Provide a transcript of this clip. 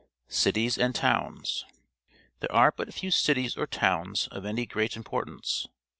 Cities and Towns. — There are but few cities or towns of any great importance.